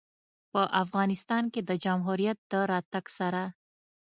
په افغانستان کې د جمهوریت د راتګ سره